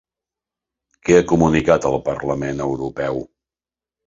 Què ha comunicat el Parlament Europeu?